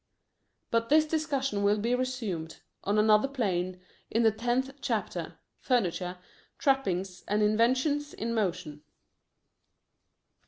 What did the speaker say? But this discussion will be resumed, on another plane, in the tenth chapter: "Furniture, Trappings, and Inventions in Motion."